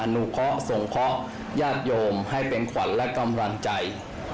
นุเคาะส่งเคาะญาติโยมให้เป็นขวัญและกำลังใจ